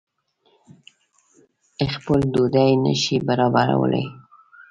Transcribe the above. خپل ډوډۍ نه شي برابرولای.